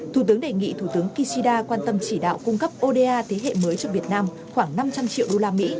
thủ tướng đề nghị thủ tướng kishida quan tâm chỉ đạo cung cấp oda thế hệ mới cho việt nam khoảng năm trăm linh triệu usd